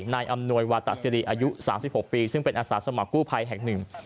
นายอำนวยวาตะสิริอายุ๓๖ปีซึ่งเป็นอาสาสมัครกู้ภัยแห่งหนึ่ง